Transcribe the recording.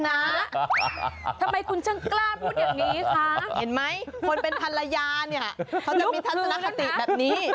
ทำไมคุณช่องกล้าพูดอย่างนี้ค่ะ